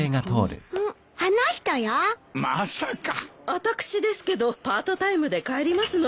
私ですけどパートタイムで帰りますの。